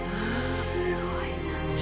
すごいな。